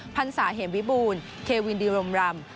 พันศาเหมวิบูรณ์เควินดิรมรำ